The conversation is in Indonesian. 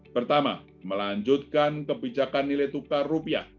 pertama melanjutkan kebijakan nilai tukar rupiah